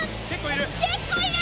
結構いる？